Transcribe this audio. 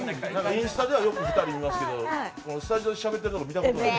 インスタではよく２人、見ますけどスタジオでしゃべってるところ見たことない。